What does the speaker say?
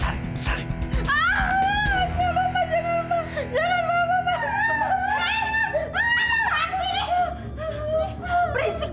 kamu mau ganggu suami saya